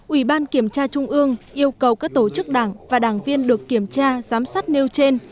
ủy ban kiểm tra trung ương yêu cầu các tổ chức đảng và đảng viên được kiểm tra giám sát nêu trên